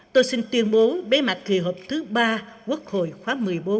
tôi xin tuyên bố bế mạc kỳ họp thứ ba quốc hội khóa một mươi bốn